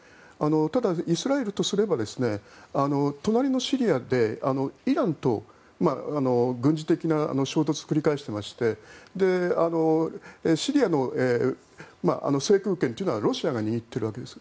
ただ、イスラエルとすれば隣のシリアでイランと軍事的な衝突を繰り返していましてシリアの制空権というのはロシアが握っているわけです。